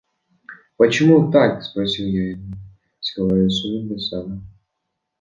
– Почему так? – спросил я его, скрывая свою досаду.